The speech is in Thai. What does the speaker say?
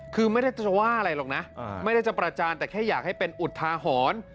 คือไม่ได้จะว่าอะไรหรอกนะไม่ได้จะประจานแต่แค่อยากให้เป็นอุทาหรณ์